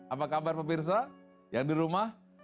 apa kabar pemirsa yang di rumah